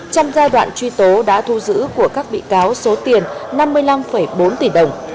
trong giai đoạn truy tố đã thu giữ của các bị cáo số tiền năm mươi năm bốn tỷ đồng